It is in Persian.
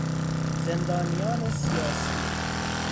زندانیان سیاسی